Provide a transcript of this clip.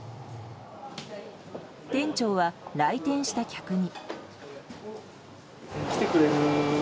店長は、来店した客に。